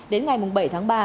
đến ngày bảy tháng ba